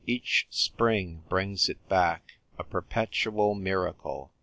Each spring brings it back, a perpetual miracle.